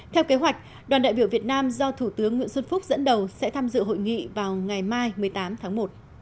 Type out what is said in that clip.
theo kế hoạch đoàn đại biểu việt nam do thủ tướng nguyễn xuân phúc dẫn đầu sẽ tham dự hội nghị vào ngày mai một mươi tám tháng một